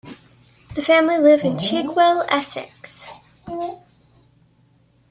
The family live in Chigwell, Essex.